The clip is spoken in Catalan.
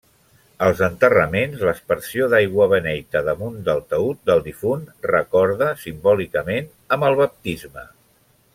Als enterraments l'aspersió d'aigua beneita damunt del taüt del difunt recorda simbòlicament amb el baptisme.